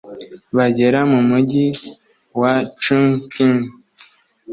bagera mu mugi wa chungking